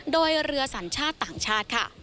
โดยเรือสรรชาติต่างชาติ